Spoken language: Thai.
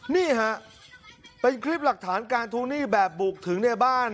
นี่ฮะเป็นคลิปหลักฐานการทวงหนี้แบบบุกถึงในบ้าน